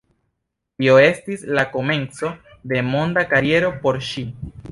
Tio estis la komenco de monda kariero por ŝi.